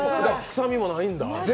臭みもないんだ。